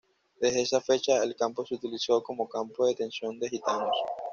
Desde esa fecha el campo se utilizó como campo de detención de gitanos.